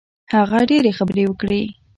هغه ډېرې خبرې وکړې.